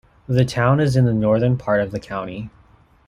The town is in the northern part of the county.